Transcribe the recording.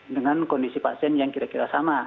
dengan kondisi pasien yang kira kira sama